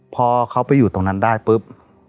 พอเขาไปอยู่ตรงนั้นได้ปุ๊บ